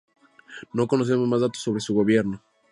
No conocemos más datos sobre su gobierno.